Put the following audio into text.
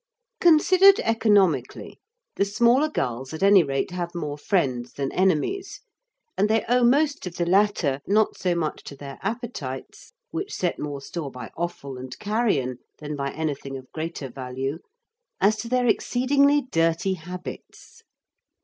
Considered economically, the smaller gulls at any rate have more friends than enemies, and they owe most of the latter not so much to their appetites, which set more store by offal and carrion than by anything of greater value, as to their exceedingly dirty habits.